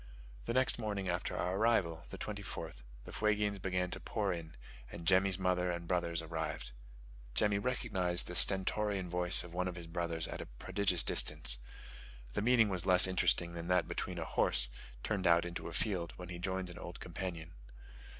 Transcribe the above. The next morning after our arrival (the 24th) the Fuegians began to pour in, and Jemmy's mother and brothers arrived. Jemmy recognised the stentorian voice of one of his brothers at a prodigious distance. The meeting was less interesting than that between a horse, turned out into a field, when he joins an old companion.